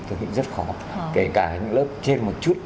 thì rất khó kể cả lớp trên một chút